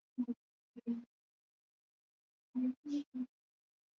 Ni hatari kwa wanyama Iwapo mwanadamu ataumwa osha jeraha haraka kwa kutumia maji